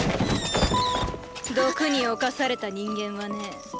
毒に侵された人間はね